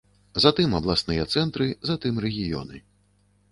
Затым абласныя цэнтры, затым рэгіёны.